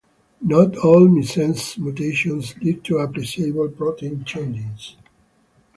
Not all missense mutations lead to appreciable protein changes.